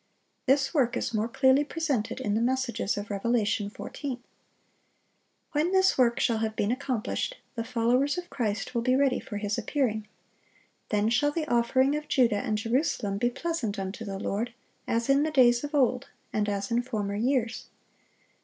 This work is more clearly presented in the messages of Revelation 14. When this work shall have been accomplished, the followers of Christ will be ready for His appearing. "Then shall the offering of Judah and Jerusalem be pleasant unto the Lord, as in the days of old, and as in former years."